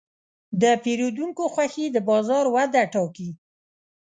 د پیرودونکو خوښي د بازار وده ټاکي.